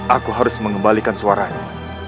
aku harus mengembalikan suaranya